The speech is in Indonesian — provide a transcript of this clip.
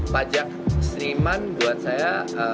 pajak seniman buat saya